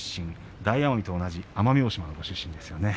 大奄美と同じ奄美大島の出身ですね。